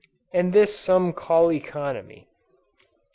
And this some call economy!